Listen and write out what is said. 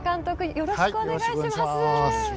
よろしくお願いします。